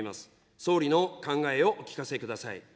総理の考えをお聞かせください。